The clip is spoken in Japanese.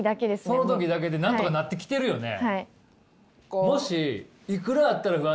その時だけでなんとかなってきてるよね。